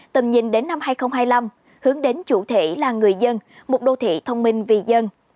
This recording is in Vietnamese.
tầm nhìn đến năm hai nghìn hai mươi năm hướng đến chủ thể là người dân một đô thị thông minh vì dân